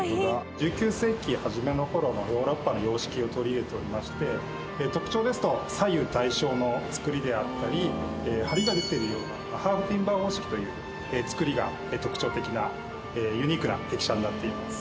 １９世紀初めの頃のヨーロッパの様式を取り入れておりまして特徴ですと左右対称の造りであったりハリが出ているようなハーフティンバー様式という造りが特徴的なユニークな駅舎になっています。